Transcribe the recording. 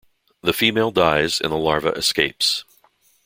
The female dies, and the larva escapes.